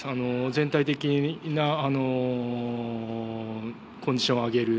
全体的なコンディションを上げる。